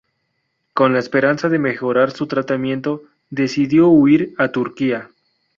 Con la esperanza de mejorar su tratamiento, decidió huir a Turquía.